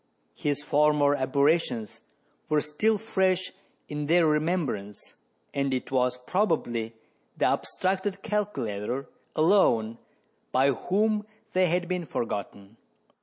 His former aberrations were still fresh in their remembrance, and it was probably the abstracted calculator alone by whom they had been forgotten.